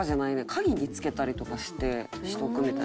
鍵につけたりとかしてしとくみたいな。